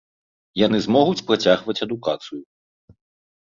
Яны змогуць працягваць адукацыю.